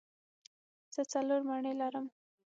زه څلور مڼې لرم.